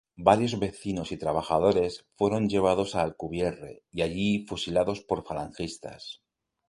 Varios vecinos y trabajadores fueron llevados a Alcubierre y allí fusilados por falangistas.